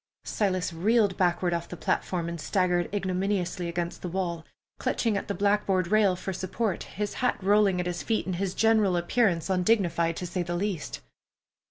Silas reeled backward off the platform, and staggered ignominiously against the wall, clutching at the blackboard rail for support, his hat rolling at his feet, and his general appearance undignified, to say the least.